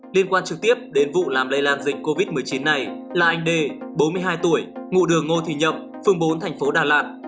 liên quan trực tiếp đến vụ làm lây lan dịch covid một mươi chín này là anh đê bốn mươi hai tuổi ngụ đường ngô thị nhậm phường bốn thành phố đà lạt